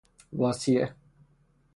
واصیه